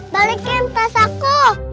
balikin tas aku